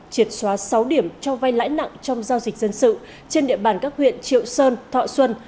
triệt xóa sáu điểm cho vay lãi nặng trong giao dịch dân sự trên địa bàn các huyện triệu sơn thọ xuân